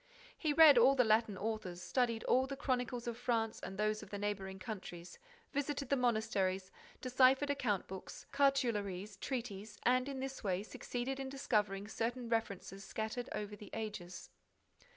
He read all the Latin authors, studied all the chronicles of France and those of the neighboring countries, visited the monasteries, deciphered account books, cartularies, treaties; and, in this way, succeeded in discovering certain references scattered over the ages.